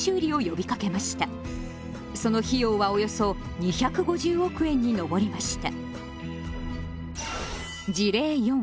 その費用はおよそ２５０億円に上りました。